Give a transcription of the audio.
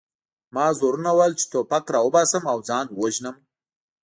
ما زورونه وهل چې ټوپک راوباسم او ځان ووژنم